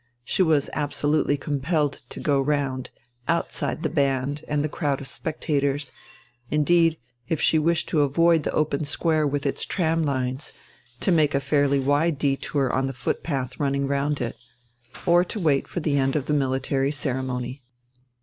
She was absolutely compelled to go round, outside the band and the crowd of spectators indeed, if she wished to avoid the open square with its tram lines, to make a fairly wide detour on the footpath running round it or to wait for the end of the military ceremony.